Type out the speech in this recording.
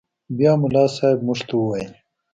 بيا ملا صاحب موږ ته وويل.